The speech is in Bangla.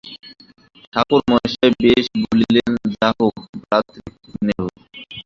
ঠাকুরমশায় বেশ বলিলেন যা হোক, ভ্রাতৃস্নেহ!